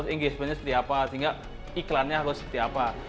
engagementnya seperti apa sehingga iklannya harus seperti apa